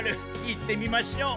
行ってみましょう。